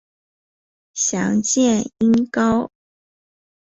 详见音高。